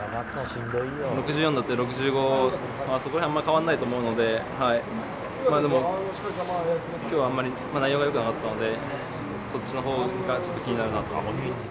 ６４打っり、６５、そこらへんはあまり変わらないと思うので、でも、きょうはあんまり内容がよくなかったんで、そっちのほうがちょっと気になるなと思います。